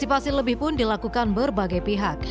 antisipasi lebih pun dilakukan berbagai pihak